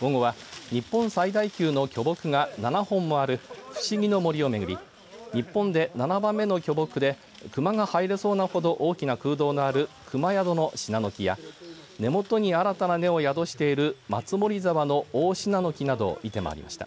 午後は日本最大級の巨木が７本もある不思議の森を巡り日本で７番目の巨木で熊が入れそうなほど大きな空洞のある熊宿のシナノキや根元に新たな根を宿している松森沢の大シナノキなどを見て回りました。